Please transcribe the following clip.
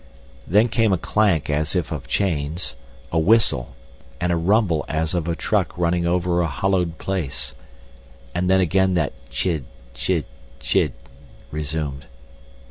Then came a clank as if of chains, a whistle and a rumble as of a truck running over a hollowed place, and then again that chid, chid, chid resumed.